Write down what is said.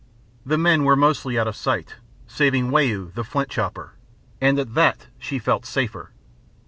The men were mostly out of sight, saving Wau, the flint chopper; and at that she felt safer.